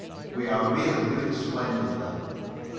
We are really doing splendidly.